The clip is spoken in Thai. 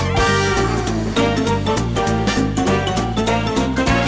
ตายสองคน